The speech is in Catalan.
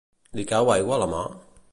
Li cau aigua a la mà?